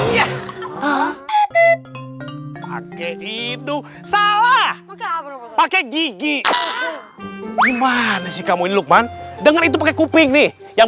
ya pak edi duk salah pakai gigi gimana sih kamu lukman dengan itu pakai kuping nih yang